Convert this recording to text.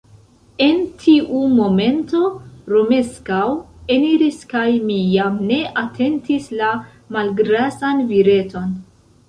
En tiu momento Romeskaŭ eniris kaj mi jam ne atentis la malgrasan vireton.